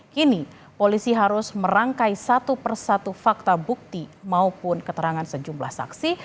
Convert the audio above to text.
kini polisi harus merangkai satu persatu fakta bukti maupun keterangan sejumlah saksi